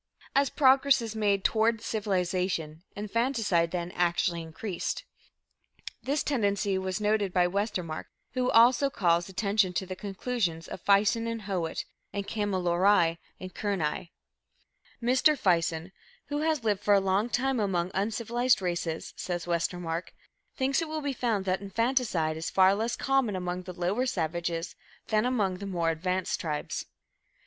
As progress is made toward civilization, infanticide, then, actually increased. This tendency was noted by Westermark, who also calls attention to the conclusions of Fison and Howitt (in Kamilaroi and Kurnai). "Mr. Fison who has lived for a long time among uncivilized races," says Westermark, "thinks it will be found that infanticide is far less common among the lower savages than among the more advanced tribes."